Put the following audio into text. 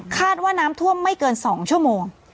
ว่าน้ำท่วมไม่เกิน๒ชั่วโมง